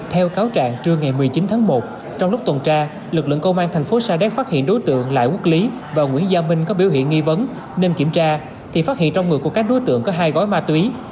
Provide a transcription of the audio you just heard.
theo cáo trạng trưa ngày một mươi chín tháng một trong lúc tuần tra lực lượng công an thành phố sa đéc phát hiện đối tượng lại quốc lý và nguyễn gia minh có biểu hiện nghi vấn nên kiểm tra thì phát hiện trong người của các đối tượng có hai gói ma túy